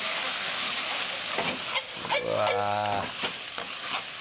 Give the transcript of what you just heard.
うわ